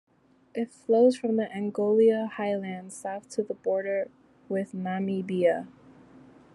It flows from the Angola highlands south to the border with Namibia.